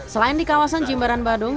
selain di kawasan jimbaran badung